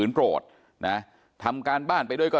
เป็นมีดปลายแหลมยาวประมาณ๑ฟุตนะฮะที่ใช้ก่อเหตุ